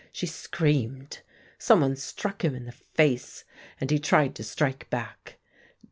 She screamed. Someone struck him in the face, and he tried to strike back.